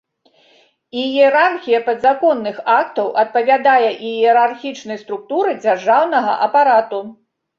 Іерархія падзаконных актаў адпавядае іерархічнай структуры дзяржаўнага апарату.